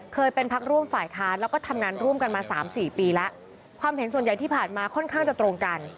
ความเห็นส่วนใหญ่ที่ผ่านมาค่อนข้างจะตรงกัน